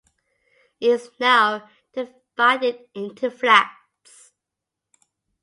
It is now divided into flats.